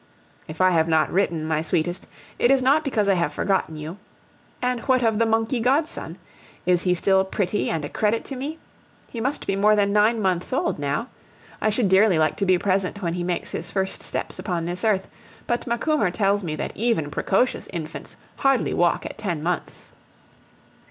If I have not written, my sweetest, it is not because I have forgotten you. And what of the monkey godson? Is he still pretty and a credit to me? He must be more than nine months' old now. I should dearly like to be present when he makes his first steps upon this earth; but Macumer tells me that even precocious infants hardly walk at ten months.